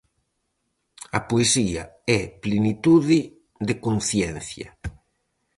A poesía é plenitude de conciencia.